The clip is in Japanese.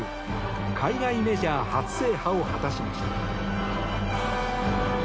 海外メジャー初制覇を果たしました。